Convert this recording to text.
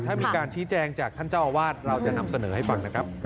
ถ้ามีการชี้แจงจากท่านเจ้าอาวาสเราจะนำเสนอให้ฟังนะครับ